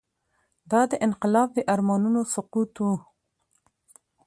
دا د انقلاب د ارمانونو سقوط و.